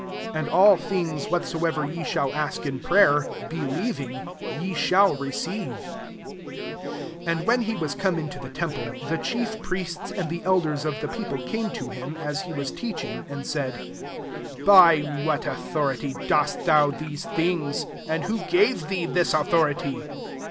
22 And all things what soever ye shall ask in prayer, believing, ye shall receive," 23 And when he was come into the temple, the chief priests and the elders of the people same to him, as he was teach ing, and said, " By what autho rity dost thou these things? and who gave thee this autho rity?"